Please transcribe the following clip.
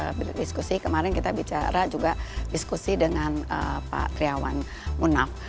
terus kita berdiskusi nanti saya juga berdiskusi kemarin kita bicara juga diskusi dengan pak triawan munaf